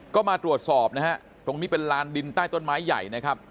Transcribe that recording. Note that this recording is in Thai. ก็มาตรวจสอบนะฮะตรงนี้เป็นลานดินใต้ต้นไม้ใหญ่นะครับ